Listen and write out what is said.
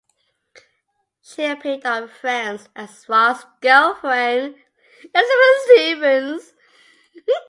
She appeared on "Friends" as Ross's girlfriend, Elizabeth Stevens.